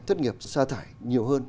thất nghiệp xa thải nhiều hơn